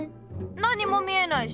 なにも見えないし。